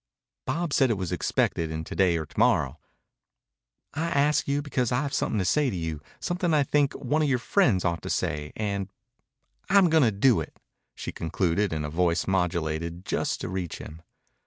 "Bob said it was expected in to day or to morrow.... I asked you because I've something to say to you, something I think one of your friends ought to say, and and I'm going to do it," she concluded in a voice modulated just to reach him.